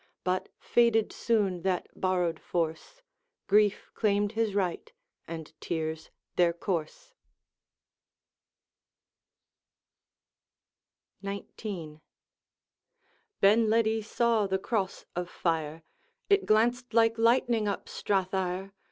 But faded soon that borrowed force; Grief claimed his right, and tears their course. XIX. Benledi saw the Cross of Fire, It glanced like lightning up Strath Ire.